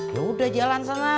ya udah jalan sana